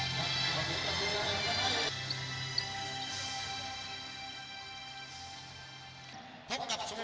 สวัสดีครับสวัสดีครับสวัสดีครับ